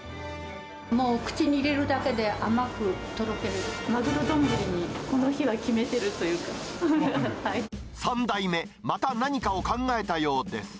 もう口に入れるだけで甘くとマグロ丼にこの日は決めてる３代目、また何かを考えたようです。